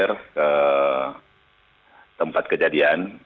mulai ke tempat kejadian